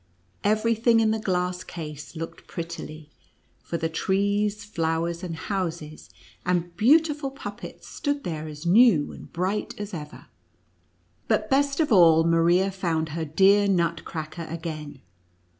Every thing in the glass case looked prettily, for the trees, flowers, and houses, and beautiful puppets, stood there as new and bright as ever. But, best of all, Maria found her dear Nutcracker again.